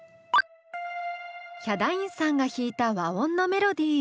ヒャダインさんが弾いた和音のメロディー。